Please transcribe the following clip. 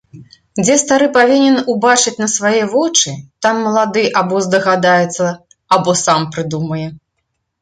Дзе стары павінен убачыць на свае вочы, там малады або здагадаецца, або сам прыдумае.